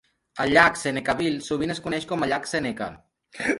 El llac Senecaville sovint es coneix com a llac Seneca.